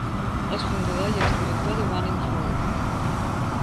És fundador i exdirector de One in Four.